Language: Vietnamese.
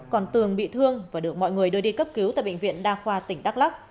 còn tường bị thương và được mọi người đưa đi cấp cứu tại bệnh viện đa khoa tỉnh đắk lắc